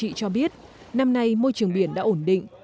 quảng trị cho biết năm nay môi trường biển đã ổn định